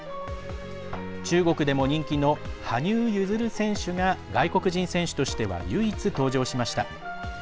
中国でも人気の羽生結弦選手が外国人選手としては唯一登場しました。